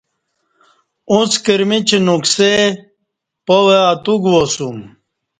اُݩڅ کِرمِیچ نُوکسہ پاوہ اتو گواسوم